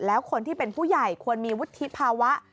แล้วคนที่เป็นผู้ใหญ่ควรมีวุฒิภาวะ